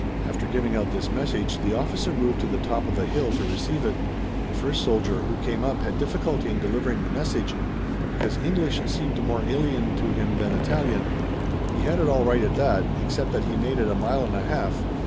After giving out this message the officer moved to the top of a hill to receive it. The first soldier who came up had difficulty in delivering the message because English seemed more alien to him than Italian. He had it all right at that, except that he made it a mile and a half.